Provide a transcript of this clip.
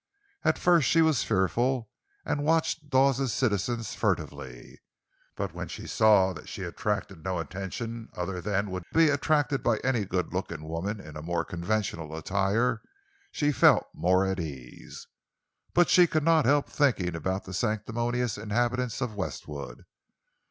At first she was fearful, and watched Dawes's citizens furtively; but when she saw that she attracted no attention other than would be attracted by any good looking young woman in more conventional attire, she felt more at ease. But she could not help thinking about the sanctimonious inhabitants of Westwood.